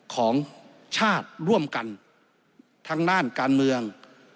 ของชาติร่วมกันทั้งด้านการเมือง